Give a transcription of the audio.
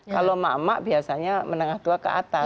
kalau emak emak biasanya menengah dua ke atas